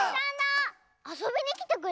あそびにきてくれたの？